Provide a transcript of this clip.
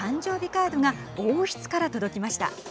カードが王室から届きました。